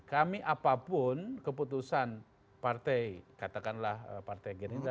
kami apapun keputusan partai katakanlah partai gerindra